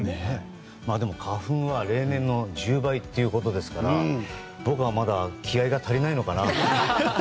でも、花粉は例年の１０倍ということですから僕はまだ気合が足りないのかな。